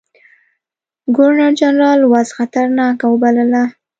ګورنرجنرال وضع خطرناکه وبلله.